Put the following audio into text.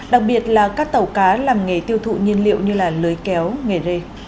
đặc biệt là các tàu cá làm nghề tiêu thụ nhiên liệu như lưới kéo nghề rê